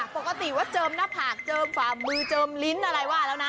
ปกติว่าเจิมหน้าผากเจิมฝ่ามือเจิมลิ้นอะไรว่าแล้วนะ